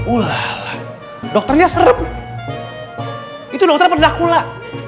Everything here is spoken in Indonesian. ulala dokternya serem itu dokter pendakula